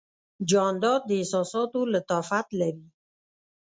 جانداد د احساساتو لطافت لري.